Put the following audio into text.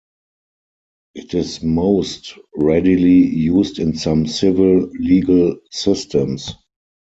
It is most readily used in some civil legal systems.